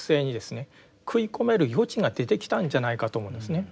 食い込める余地が出てきたんじゃないかと思うんですね。